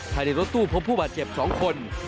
ภายในรถตู้พบผู้บาดเจ็บ๒คน